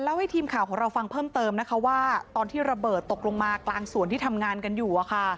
ให้ทีมข่าวของเราฟังเพิ่มเติมนะคะว่าตอนที่ระเบิดตกลงมากลางสวนที่ทำงานกันอยู่